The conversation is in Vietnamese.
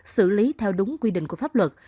xử lý theo đúng quy định của pháp luật